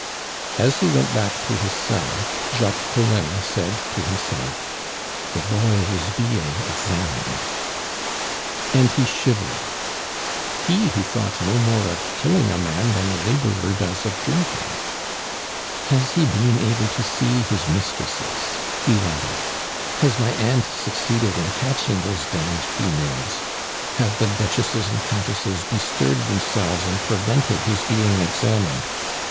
As he went back to his cell Jacques Collin said to himself, "The boy is being examined." And he shivered he who thought no more of killing a man than a laborer does of drinking. "Has he been able to see his mistresses?" he wondered. "Has my aunt succeeded in catching those damned females? Have the Duchesses and Countesses bestirred themselves and prevented his being examined?